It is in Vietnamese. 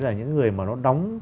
là những người mà nó đóng